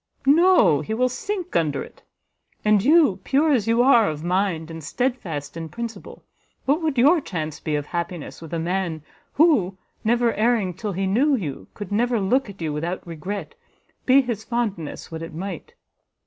No; he will sink under it. And you, pure as you are of mind, and steadfast in principle, what would your chance be of happiness with a man who never erring till he knew you, could never look at you without regret, be his fondness what it might?"